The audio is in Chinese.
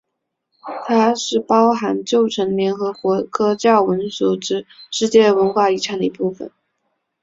它是包含旧城的联合国教科文组织世界文化遗产的一部分。